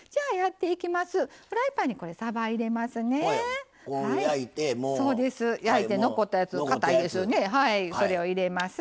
フライパンに、さば入れます。